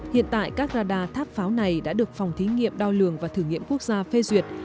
hiện tại các radar tháp pháo này đã được phòng thí nghiệm đo lường và thử nghiệm quốc gia phê duyệt